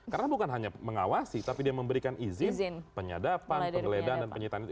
karena bukan hanya mengawasi tapi dia memberikan izin penyadapan penggeledahan penyitaan